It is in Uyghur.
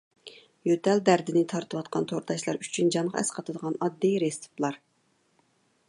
يۆتەل دەردىنى تارتىۋاتقان تورداشلار ئۈچۈن جانغا ئەسقاتىدىغان ئاددىي رېتسېپلار.